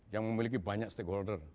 yang memiliki banyak stakeholder